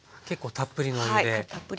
たっぷりのお湯で。